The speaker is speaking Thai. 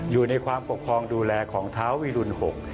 อยู่ในความปกครองดูแลของท้าวีรุณ๖